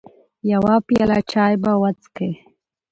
يوه پياله چاى به وچکې .